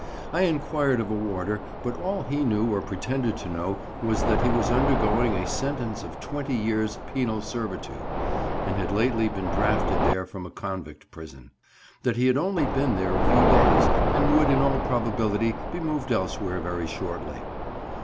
I enquired of a warder, but all he knew or pretended to know was that he was undergoing a sentence of 20 years' penal servitude, and had lately been drafted there from a convict prison; that he had only been there a few days, and would in all probability be moved elsewhere very shortly.